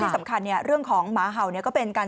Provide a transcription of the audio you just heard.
พ่อแบมนี่แหละ